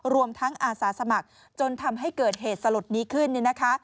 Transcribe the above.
รวมทั้งอาสาสมัครจนทำให้เกิดเหตุสลดนี้ขึ้น